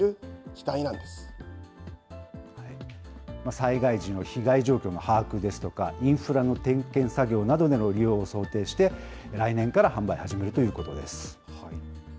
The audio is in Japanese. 災害時の被害状況の把握ですとか、インフラの点検作業などでの利用を想定して、来年から販売始めるということです。